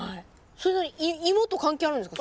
それ何イモと関係あるんですか？